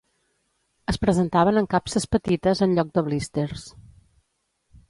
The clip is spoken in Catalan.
Es presentaven en capses petites en lloc de blísters.